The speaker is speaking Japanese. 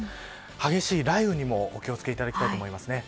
激しい雷雨にもお気を付けいただきたいと思います。